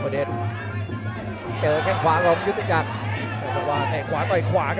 พยายามมามาซ้ายวง